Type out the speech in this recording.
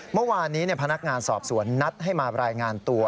เมื่อวานนี้พนักงานสอบสวนนัดให้มารายงานตัว